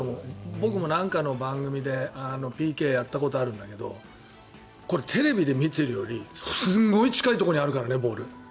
僕も何かの番組でＰＫをやったことあるんだけどこれ、テレビで見ているよりすごい近いところにあるからねゴール。